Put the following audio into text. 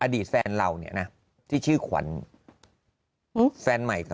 อดีตแฟนเราเนี่ยนะที่ชื่อขวัญ